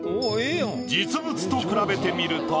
実物と比べてみると。